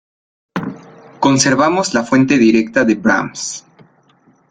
Conservamos la fuente directa de Brahms.